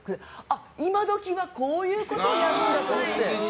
今時はこういうことになるんだと思って。